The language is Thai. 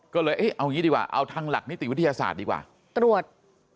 ก็เลยเอ๊ะเอางี้ดีกว่าเอาทางหลักนิติวิทยาศาสตร์ดีกว่าตรวจ